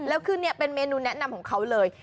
แล้วคือนี่เป็นเมนูแนะนำของเขาเลย